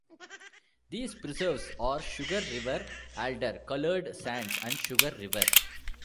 These preserves are Sugar River Alder, Colored Sands, and Sugar River.